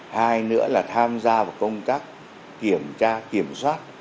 hai nữa là tham gia vào công tác kiểm tra kiểm soát